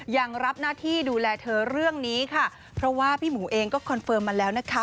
ยังรับหน้าที่ดูแลเธอเรื่องนี้ค่ะเพราะว่าพี่หมูเองก็คอนเฟิร์มมาแล้วนะคะ